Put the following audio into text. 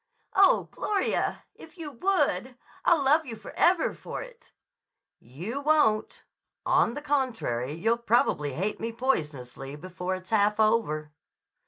"Oh, Gloria! If you would! I'll love you forever for it." "You won't. On the contrary, you'll probably hate me poisonously before it's half over."